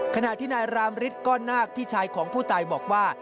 ขณะที่นายรามฤทธิก้อนนาคพี่ชายของผู้ตายบอกว่า